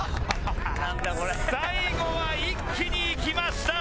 最後は一気にいきました。